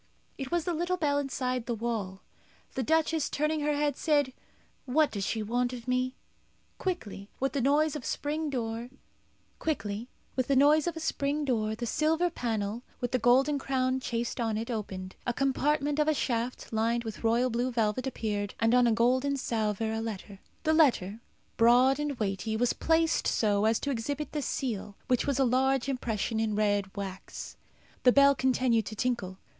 It was the little bell inside the wall. The duchess, turning her head, said, "What does she want of me?" Quickly, with the noise of a spring door, the silver panel, with the golden crown chased on it, opened. A compartment of a shaft, lined with royal blue velvet, appeared, and on a golden salver a letter. The letter, broad and weighty, was placed so as to exhibit the seal, which was a large impression in red wax. The bell continued to tinkle.